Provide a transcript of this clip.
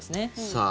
さあ